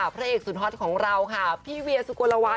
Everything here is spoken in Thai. พระเอกสุดฮ่อสของเราพี่เวียลสุโกะละวาน